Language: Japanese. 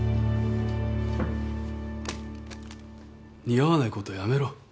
似合わないことはやめろ。